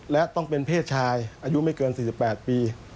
และต้องเป็นเพศชายอายุไม่เกิน๔๘ปี